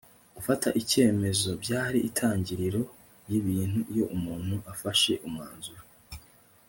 gufata icyemezo byari intangiriro yibintu iyo umuntu afashe umwanzuro